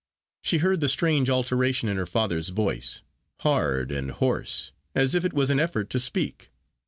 She heard the strange alteration in her father's voice, hard and hoarse, as if it was an effort to speak.